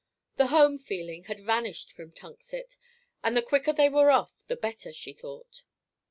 The home feeling had vanished from Tunxet, and the quicker they were off, the better, she thought.